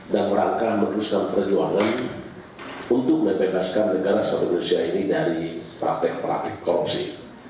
dan rangka memperluaskan perjuangan untuk membebaskan negara satu indonesia ini dari praktek praktek korupsi